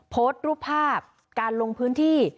โพสต์รูปภาพการลงพื้นที่